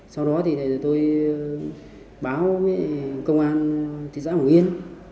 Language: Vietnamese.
sau đó thì tôi báo công an thị xã hồ yên